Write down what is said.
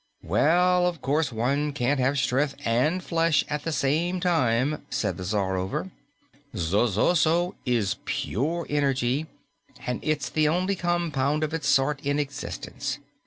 "Well, of course one can't have strength and flesh at the same time," said the Czarover. "Zosozo is pure energy, and it's the only compound of its sort in existence.